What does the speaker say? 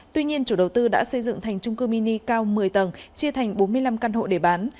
tuy nhiên chủ đầu tư đã xây dựng thành trung cư mini cao một mươi tầng chia thành bốn mươi năm căn hộ để bán